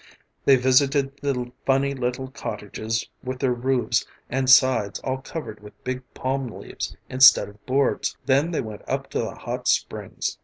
They visited the funny little cottages with their roofs and sides all covered with big palm leaves instead of boards. Then they went up to the hot springs.